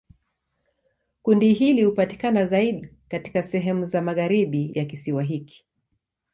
Kundi hili hupatikana zaidi katika sehemu ya magharibi ya kisiwa hiki.